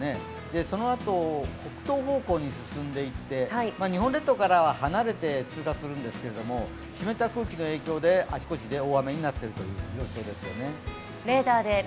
そのあと北東方向に進んでいって日本列島からは離れて通過するんですけれども、湿った空気の影響であちこちで大雨になっているという状況です。